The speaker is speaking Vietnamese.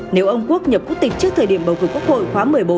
nếu ông quốc nhập quốc tịch trước thời điểm bầu cử quốc hội khóa một mươi bốn